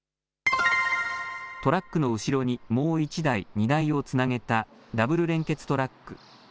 トラックの後ろにもう１台荷台をつなげたダブル連結トラック。